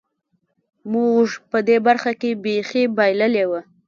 موږ په دې برخه کې بېخي بایللې وه.